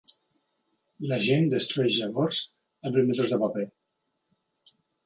L'agent destrueix llavors el primer tros de paper.